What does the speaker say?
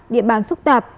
địa bàn phức tạp